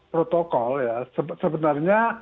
protokol ya sebenarnya